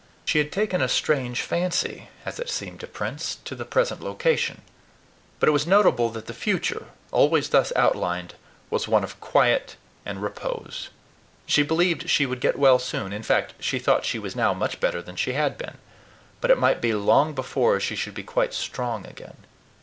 She had taken a strange fancy, as it seemed to Prince, to the present location; but it was notable that the future, always thus outlined, was one of quiet and repose. She believed she would get well soon; in fact, she thought she was now much better than she had been, but it might be long before she should be quite strong again.